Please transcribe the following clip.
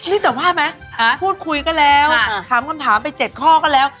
นี่แต่ว่าไหมพูดคุยก็แล้วถามคำถามไป๗ข้อก็แล้ว